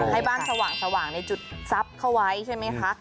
ให้บ้านสว่างในจุดทรัพย์เข้าไว้ใช่ไหมคะ